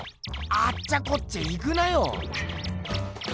あっちゃこっちゃ行くなよ。